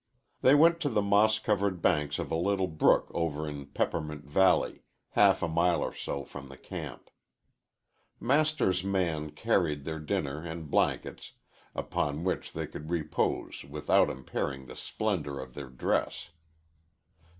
They went to the moss covered banks of a little brook over in Peppermint Valley, half a mile or so from the camp. Master's man carried their dinner and blankets, upon which they could repose without impairing the splendor of their dress.